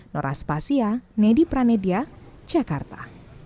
noras pasia nedi pranedia jakarta